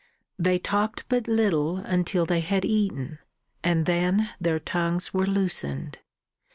They talked but little until they had eaten, and then their tongues were loosened.